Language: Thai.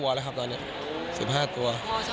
๑๕ตัวแหละครับตอนนี้๑๕ตัว